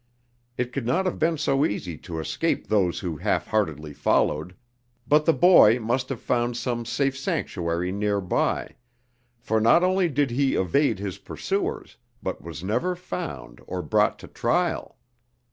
It could not have been so easy to escape those who half heartedly followed; but the boy must have found some safe sanctuary near by, for not only did he evade his pursuers, but was never found or brought to trial.